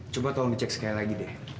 coba tolong dicek sekali lagi deh